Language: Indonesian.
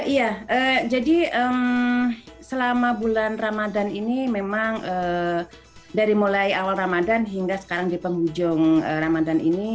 iya jadi selama bulan ramadan ini memang dari mulai awal ramadan hingga sekarang di penghujung ramadhan ini